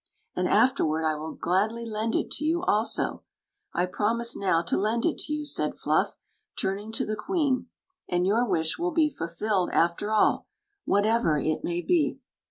"And afterward I will gladly lend it to you also; I promise now to l«wl it to you, said Fluft turning n mtm muoit' cam tmb mbl, bacbrly." to the queen; "and your wish will be fulfilled, after all — whatever it may be.